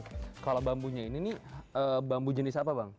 kalau bambunya ini nih bambu jenis apa bang